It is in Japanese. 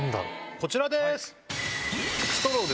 こちらです！